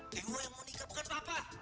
dewo yang mau nikah bukan papa